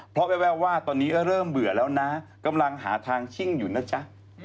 เพราะแววว่าตอนนี้เริ่มเบื่อแล้วนะกำลังหาทางชิ่งอยู่นะจ๊ะ